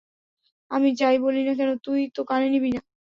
আমি যাই বলি না কেন তুই তো কানে নিবি না।